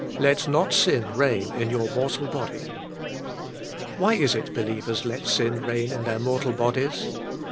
"Let not sin reign in your mortal body." Why is it believers let sin reign in their mortal bod ies